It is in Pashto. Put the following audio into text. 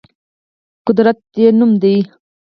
قدرت نوم دی.